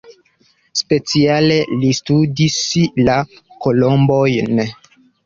Speciale li studis la kolombojn.